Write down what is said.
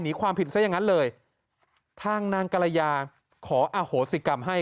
ความผิดซะอย่างนั้นเลยทางนางกรยาขออโหสิกรรมให้